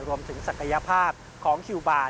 รวมถึงศักยภาพของคิวบาร์